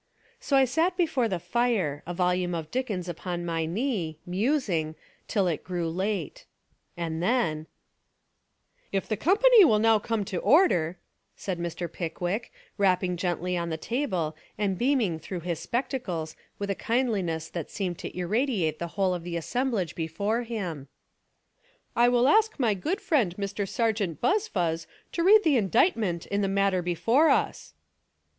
So I sat before the fire, a volume of Dickens upon my knee, musing, till it grew late. And then "If the company will now come to order," said Mr. Pickwick, rapping gently on the ta ble and beaming through his spectacles with a kindliness that seemed to irradiate the whole of the assemblage before him, "I will ask my 196 Fiction and Reality good friend Mr. Sergeant Buzfuz to read the indictment in the matter before us."